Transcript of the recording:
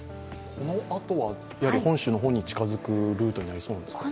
このあとは、本州の方に近づくルートになりそうですか？